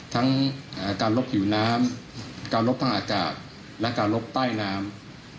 ทั้งการลบผิวน้ำการลบทางอากาศและการลบใต้น้ำ